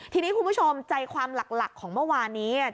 ทีนี้คุณผู้ชมใจความหลักของเมื่อวานนี้